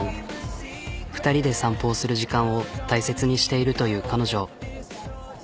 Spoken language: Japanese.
２人で散歩をする時間を大切にしているという彼女。